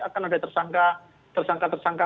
akan ada tersangka tersangka